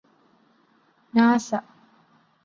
NASA